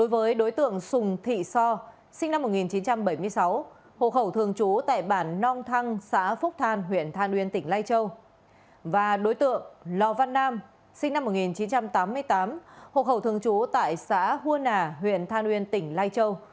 và đối tượng lò văn nam sinh năm một nghìn chín trăm tám mươi tám hộ khẩu thường trú tại xã hua nà huyện than uyên tỉnh lai châu